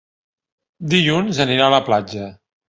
Dilluns anirà a la platja.